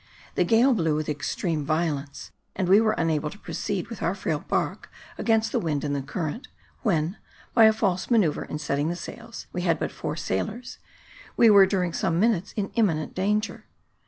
The gale blew with extreme violence, and we were unable to proceed with our frail bark against the wind and the current, when, by a false manoeuvre in setting the sails (we had but four sailors), we were during some minutes in imminent danger.